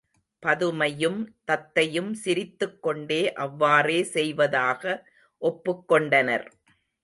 பதுமையும் தத்தையும் சிரித்துக் கொண்டே அவ்வாறே செய்வதாக ஒப்புக் கொண்டனர்.